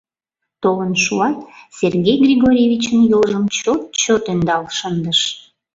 Толын шуат, Сергей Григорьевичын йолжым чот-чот ӧндал шындыш.